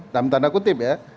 dalam tanda kutip ya